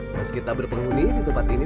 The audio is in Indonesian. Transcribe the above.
meskipun kita berpenghuni di tempat ini